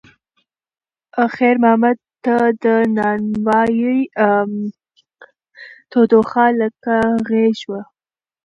خیر محمد ته د نانوایۍ تودوخه لکه غېږ وه.